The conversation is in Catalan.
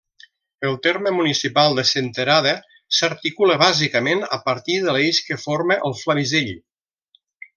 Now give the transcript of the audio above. El terme municipal de Senterada s'articula bàsicament a partir de l'eix que forma el Flamisell.